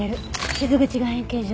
傷口が円形状。